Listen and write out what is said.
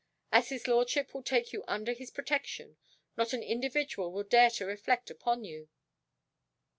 As his lordship will take you under his protection, not an individual will dare to reflect upon you."